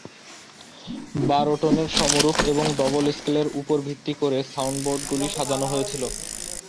বারো টোনের সমরূপ এবং ডবল স্কেলের উপর ভিত্তি করে সাউন্ডবোর্ডগুলি সাজানো হয়েছিল।